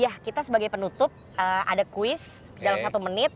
ya kita sebagai penutup ada kuis dalam satu menit